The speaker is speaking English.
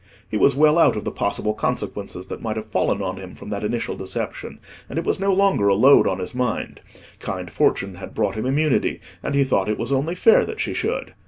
He was well out of the possible consequences that might have fallen on him from that initial deception, and it was no longer a load on his mind; kind fortune had brought him immunity, and he thought it was only fair that she should.